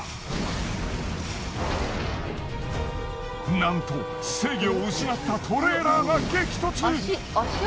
なんと制御を失ったトレーラーが激突。